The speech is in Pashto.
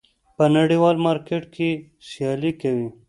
په نړیوال مارکېټ کې سیالي کوي.